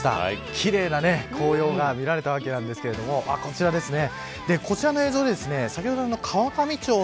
奇麗な紅葉が見られたわけなんですけれどもこちらですね。